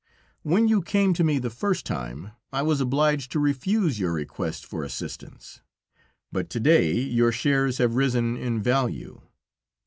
When you came to me the first time, I was obliged to refuse your request for assistance, but to day your shares have risen in value.